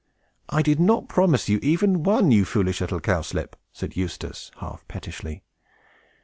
"I did not promise you even one, you foolish little Cowslip!" said Eustace, half pettishly.